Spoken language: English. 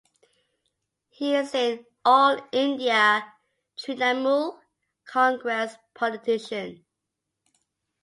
He is an All India Trinamool Congress politician.